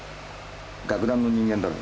楽団の人間だろ。